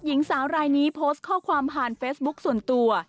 หญิงสาวรายนี้โพสต์ข้อความผ่านเฟซบุ๊คส่วนตัว